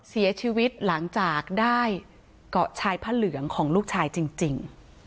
เสียชีวิตหลังจากได้เกาะชายพระเหลืองของลูกชายจริง